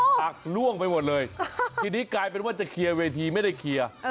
หักล่วงไปหมดเลยทีนี้กลายเป็นว่าจะเคลียร์เวทีไม่ได้เคลียร์